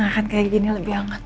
nah kan kayak gini lebih hangat